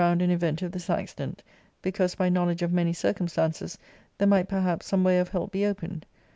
25 glihnd and event of this accident, because, by knowledge of many circumstances, there might perhaps some way of help be opened.